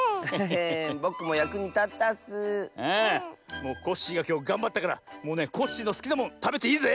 ああもうコッシーがきょうがんばったからもうねコッシーのすきなもんたべていいぜ！